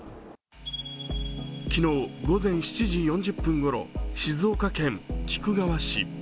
昨日午前７時４０分ごろ静岡県菊川市。